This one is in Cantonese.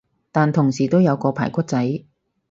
但同時都有個排骨仔